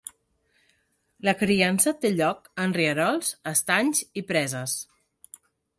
La criança té lloc en rierols, estanys i preses.